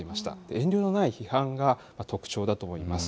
遠慮のない批判が特徴だと思います。